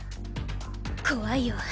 怖いよ。